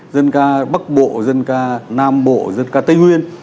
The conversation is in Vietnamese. dân ca bắc bộ dân ca nam bộ dân ca tây nguyên